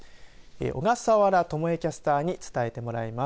小笠原知恵キャスターに伝えてもらいます。